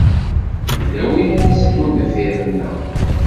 Yella win i d-iteddun deffir-nneɣ.